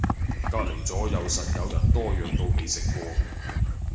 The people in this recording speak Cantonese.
隔離咗右實有人多藥到未食過